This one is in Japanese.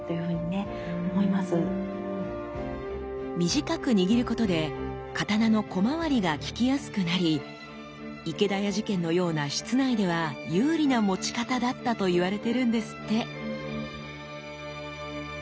短く握ることで刀の小回りが利きやすくなり池田屋事件のような室内では有利な持ち方だったと言われてるんですって。